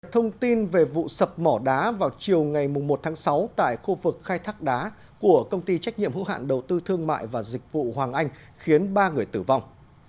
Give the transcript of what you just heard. thông tin về vụ sập mỏ đá vào chiều ngày một tháng sáu tại khu vực khai thác đá của công ty trách nhiệm hữu hạn đầu tư thương mại và dịch vụ hoàng anh khiến ba người tử vong